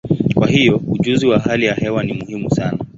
Kwa hiyo, ujuzi wa hali ya hewa ni muhimu sana.